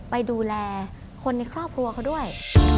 ไปดูแลคนในครอบครัวเขาด้วย